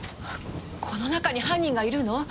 この中に犯人がいるの？